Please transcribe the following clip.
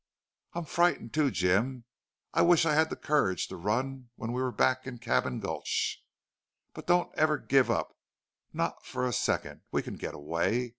"I'm frightened, too, Jim. I wish I'd had the courage to run when we were back in Cabin Gulch, But don't ever give up, not for a second! We can get away.